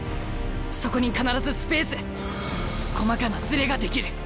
そこに必ずスペース細かなズレが出来る。